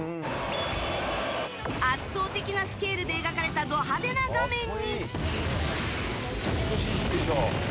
圧倒的なスケールで描かれたド派手な画面に。